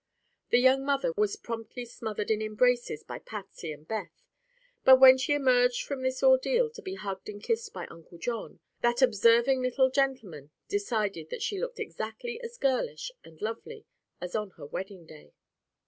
The young mother was promptly smothered in embraces by Patsy and Beth, but when she emerged from this ordeal to be hugged and kissed by Uncle John, that observing little gentleman decided that she looked exactly as girlish and lovely as on her wedding day.